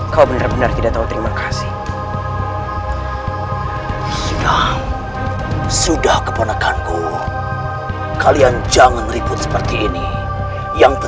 raden kamu tidak tahu sikap mereka yang sebenarnya seperti apa